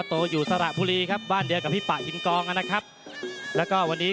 ต่อมินบุรี